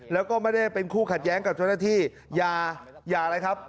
แล้วก็ไม่ได้เป็นคู่ขัดแย้งกับเจ้าหน้าที่อย่าอะไรครับ